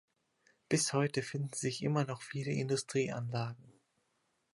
Bis heute finden sich immer noch viele Industrieanlagen.